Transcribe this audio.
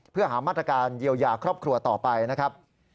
เพื่อหามาตรการเยียวยาครอบครัวต่อไปนะครับ